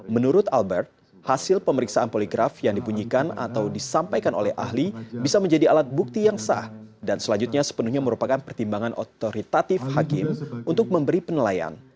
menurut albert hasil pemeriksaan poligraf yang dipunyikan atau disampaikan oleh ahli bisa menjadi alat bukti yang sah dan selanjutnya sepenuhnya merupakan pertimbangan otoritatif hakim untuk memberi penilaian